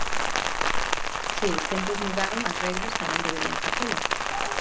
Se os tempos mudaron, as regras tamén deberían facelo.